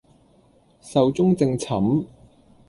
壽終正寢